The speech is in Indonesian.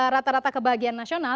rata rata kebahagiaan nasional